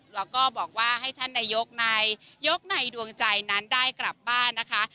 แล้วก็บอกว่าให้ท่านนายกในดวงใจนั้นได้กลับบ้านนะคะ